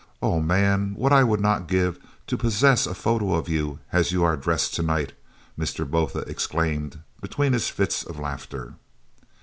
"Oh, man, what would I not give to possess a photo of you as you are dressed to night!" Mr. Botha exclaimed between his fits of laughter.